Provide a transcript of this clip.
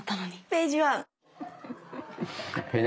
ページワン！